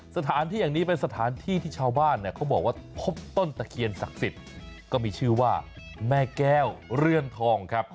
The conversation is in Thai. สถานที่อย่างนี้เป็นสถานที่ที่ชาวบ้านเนี่ยเขาบอกว่าพบต้นตะเคียนศักดิ์สิทธิ์ก็มีชื่อว่าแม่แก้วเรือนทองครับ